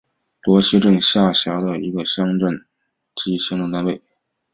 罗溪镇是下辖的一个乡镇级行政单位。